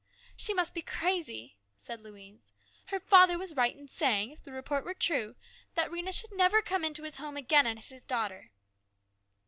" She must be crazy," said Louise. " Her father was right in saying, if the report were true, that Rhena never should come into his home again as his daughter."